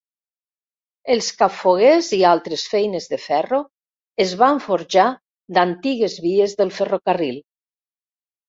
Els capfoguers i altres feines de ferro es van forjar d'antigues vies del ferrocarril.